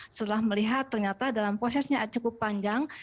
setelah melihat ternyata dalam prosesnya cukup panjang